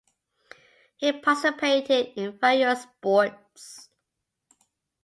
He participated in various sports.